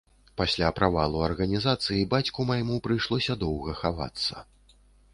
Пасля правалу арганізацыі бацьку майму прыйшлося доўга хавацца.